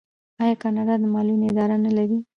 آیا کاناډا د معلولینو اداره نلري؟